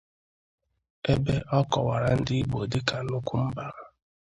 ebe ọ kọwara Ndị Igbo dịka nnukwu mba.